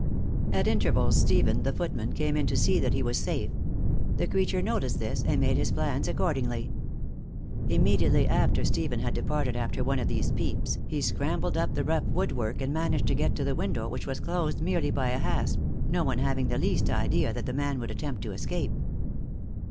At intervals Stephen, the footman, came in to see that he was safe; the creature noticed this, and made his plans accordingly. Immediately after Stephen had departed after one of these peeps, he scrambled up the rough woodwork and managed to get to the window, which was closed merely by a hasp, no one having the least idea that the man would attempt to escape.